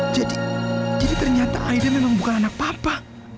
jadi jadi ternyata aiden memang bukan anak papa